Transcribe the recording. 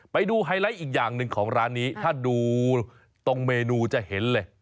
ไปดูไฮไลท์อีกอย่างหนึ่งของร้านนี้ถ้าดูตรงเมนูจะเห็นเลย